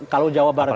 kalau jawa barat itu